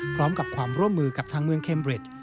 พร้อมกับความร่วมมือกับทางเมืองเคมเร็ด